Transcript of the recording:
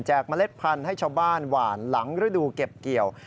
เมล็ดพันธุ์ให้ชาวบ้านหวานหลังฤดูเก็บเกี่ยว